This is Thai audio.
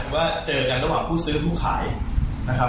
ว่าเจอกันระหว่างผู้ซื้อผู้ขายนะครับ